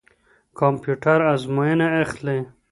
کمپيوټر آزموينه اخلي.